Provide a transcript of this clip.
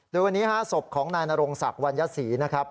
โดยวันนี้ศพของนายนรงศักดิ์วัญญศรีนะครับ